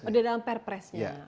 oh di dalam perpres